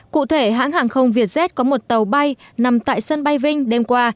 cụ thể hãng hàng không vietjet có một tàu bay nằm tại sân bay vinh qua